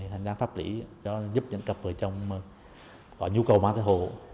hành giác pháp lý giúp những cặp vợ chồng có nhu cầu mang thai hộ